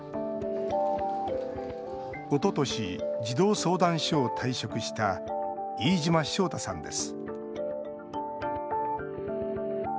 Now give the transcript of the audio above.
おととし、児童相談所を退職した飯島章太さんです。